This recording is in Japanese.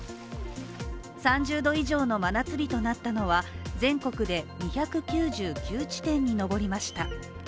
３０度以上の真夏日となったのは全国で２９９地点に上りました。